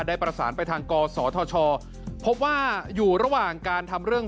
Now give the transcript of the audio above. ได้ประสานไปทางกศธชพบว่าอยู่ระหว่างการทำเรื่อง